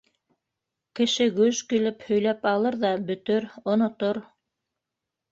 Кеше гөж килеп һөйләп алыр ҙа бөтөр, онотор.